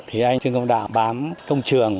thì anh trương công đạo bám công trường